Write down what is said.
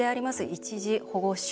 一時保護所。